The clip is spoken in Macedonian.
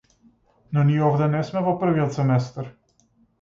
Но ние овде не сме во првиот семестар.